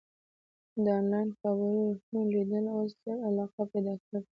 د انلاین خپرونو لیدل اوس ډېره علاقه پیدا کړې.